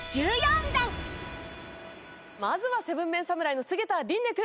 まずは７ＭＥＮ侍の菅田琳寧君。